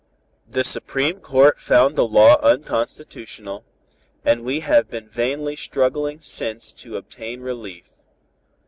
The Supreme Court found the law unconstitutional, and we have been vainly struggling since to obtain relief.